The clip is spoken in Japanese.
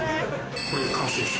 これで完成です。